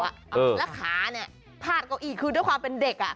แล้วขาเนี่ยพาดเก้าอี้คือด้วยความเป็นเด็ก